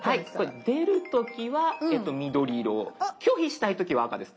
出る時は緑色拒否したい時は赤です。